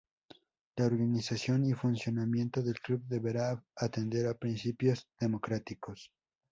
La organización y funcionamiento del club deberá atender a principios democráticos.